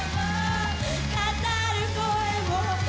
「語る声も」